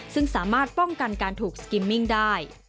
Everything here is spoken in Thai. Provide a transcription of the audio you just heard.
ซึ่งสามารถป้องกันการถูกสกิมมิ่งได้